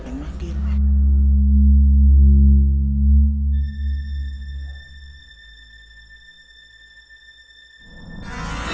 emang ini yang udah